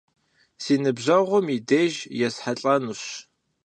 Си ныбжьэгъум и деж есхьэлӀэнущ.